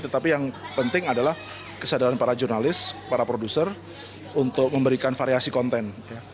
tetapi yang penting adalah kesadaran para jurnalis para produser untuk memberikan variasi konten